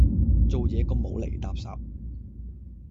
做嘢咁無厘搭霎